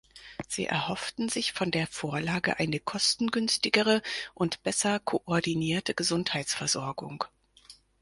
Sie erhofften sich von der Vorlage eine kostengünstigere und besser koordinierte Gesundheitsversorgung.